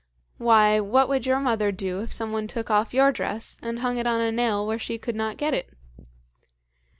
Why, what would your mother do if some one took off your dress, and hung it on a nail where she could not get it?"